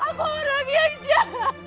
aku orang yang jahat